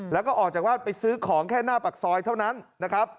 แล้วก็ออกจากบ้านไปซื้อของแค่หน้าปากซอยเท่านั้นนะครับ